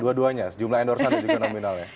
dua duanya jumlah endorsement atau juga nominal ya